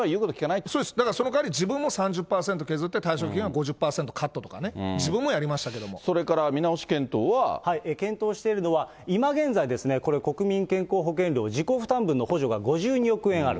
だからそのかわり、自分も３０％削って退職金は５０％カットとか、自分もやりましたそれから見直し検討は。検討しているのは、今現在、これ、国民健康保険料自己負担分の補助が５２億円ある。